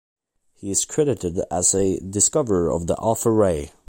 He is credited as a discoverer of the alpha ray.